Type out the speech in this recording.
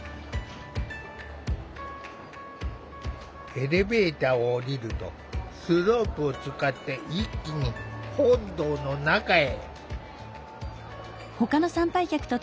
エレベーターを降りるとスロープを使って一気に本堂の中へ。